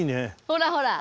ほらほら。